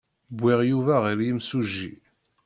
Wwiɣ Yuba ɣer yimsujji.